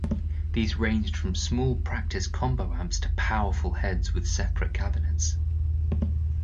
These ranged from small practice combo amps to powerful heads with separate cabinets.